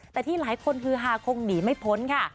แต่ที่หลายคนฮือฮาคงหนีไม่พ้นค่ะ